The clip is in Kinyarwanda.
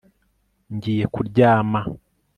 Ngiye kuryama